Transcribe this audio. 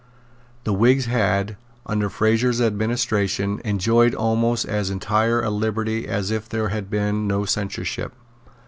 The Whigs had, under Fraser's administration, enjoyed almost as entire a liberty as if there had been no censorship.